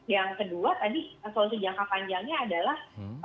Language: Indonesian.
yang kedua tadi solusi jangka panjangnya adalah